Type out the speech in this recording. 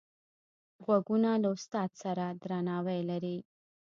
غوږونه له استاد سره درناوی لري